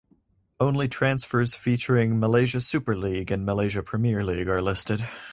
Only transfers featuring Malaysia Super League and Malaysia Premier League are listed.